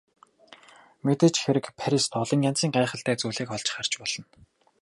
Мэдээж хэрэг Парист олон янзын гайхалтай зүйлийг олж харж болно.